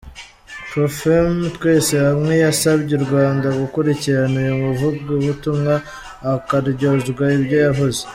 Profemmes Twese Hamwe yasabye u Rwanda gukurikirana uyu muvugabutumwa akaryozwa ibyo yavuze.